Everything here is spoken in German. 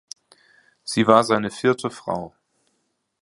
Sie war seine vierte Frau.